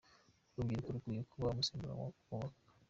Urubyiruko rukwiye kuba umusemburo wo kubaka.